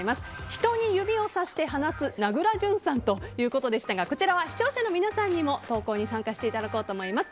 人に指をさして話す名倉潤さんということでしたがこちらは視聴者の皆さんにも投票に参加していただこうと思います。